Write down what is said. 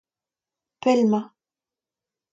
pell emañ.